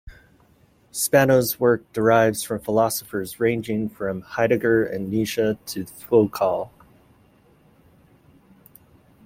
Spanos' work derives from philosophers ranging from Heidegger and Nietzsche to Foucault.